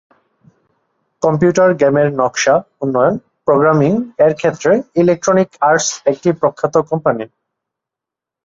Computer গেমের নকশা, উন্নয়ন, প্রোগ্রামিং-এর ক্ষেত্রে ইলেকট্রনিক আর্টস একটি প্রখ্যাত কোম্পানি।